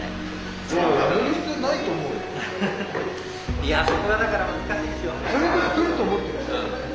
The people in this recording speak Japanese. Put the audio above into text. いやそこがだから難しいんですよ。